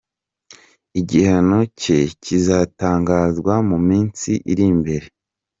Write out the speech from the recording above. Igihano cye kizatangazwa mu minsi iri imbere.